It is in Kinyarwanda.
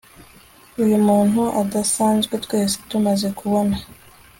uyu muntu udasanzwe twese tumaze kubona